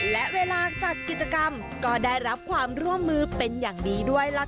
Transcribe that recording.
และเวลาจัดกิจกรรมก็ได้รับความร่วมมือเป็นอย่างดีด้วยล่ะค่ะ